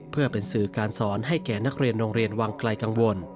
เพื่อเป็นสื่อการสอนให้แก่นักเรียนโรงเรียนวังไกลกังวล